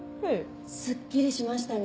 すっきりしましたね。